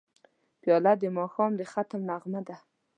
پیاله د ماښام د ختم نغمه ده.